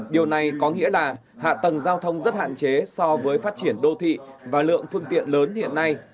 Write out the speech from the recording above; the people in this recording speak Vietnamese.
điều này có nghĩa là hạ tầng giao thông rất hạn chế so với phát triển đô thị và lượng phương tiện lớn hiện nay